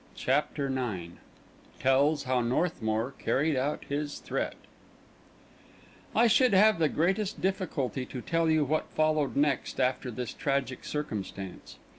CHAPTER IX TELLS HOW NORTHMOUR CARRIED OUT HIS THREAT I should have the greatest difficulty to tell you what followed next after this tragic circumstance.